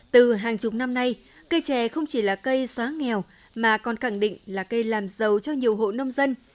từ hàng chục năm nay cây chè không chỉ là cây xóa nghèo mà còn khẳng định là cây làm giàu cho nhiều hộ nông dân